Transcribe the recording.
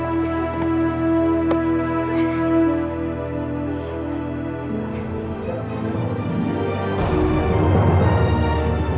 ani kita berhasil kita pulang yuk